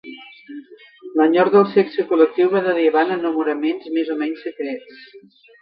L'enyor del sexe col·lectiu va derivar en enamoraments més o menys secrets.